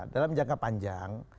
dalam jangka panjang